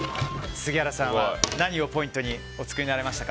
杉原さんは何をポイントにお作りになりましたか？